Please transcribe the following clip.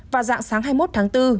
vào dạng sáng hai mươi một tháng bốn